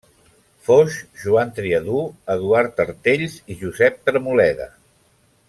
Foix, Joan Triadú, Eduard Artells i Josep Tremoleda.